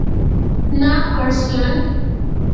না, আর্সলান।